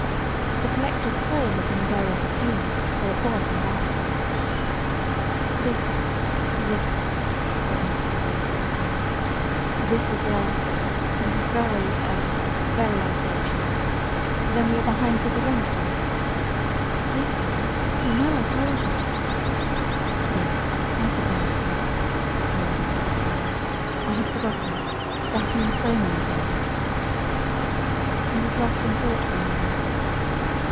The collector's call had been very opportune, though it was embarrassing. "This this," said Mr. DeVere, haltingly "this is very er very unfortunate. Then we are behind with the rent, Ruth?" "Yes, Dad. You know I told you " "Yes, I suppose so," he added, with a sigh. "I had forgotten. There have been so many things " He was lost in thought for a moment.